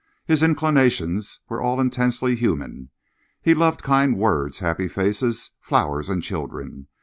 His inclinations were all intensely human. He loved kind words, happy faces, flowers and children.